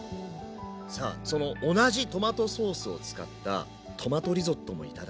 さあその同じトマトソースを使ったトマトリゾットも頂いていきますね。